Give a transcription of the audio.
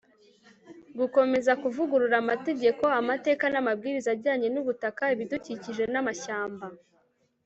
gukomeza kuvugurura amategeko, amateka n'amabwiriza ajyanye n'ubutaka, ibidukikije n'amashyamba